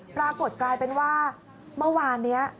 กลายเป็นว่าเมื่อวานนี้